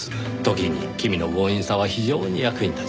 時に君の強引さは非常に役に立ちます。